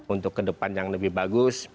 untuk ke depan yang lebih bagus